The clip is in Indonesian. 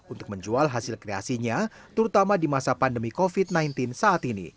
untuk menjual hasil kreasinya terutama di masa pandemi covid sembilan belas saat ini